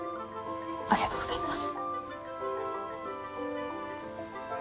ありがとうございます。